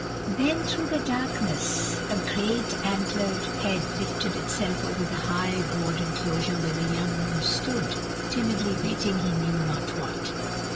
Then, through the darkness a great antlered head lifted itself over the high board enclosure where the young moose stood, timidly waiting he knew not what.